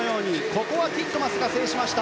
ここはティットマスが制しました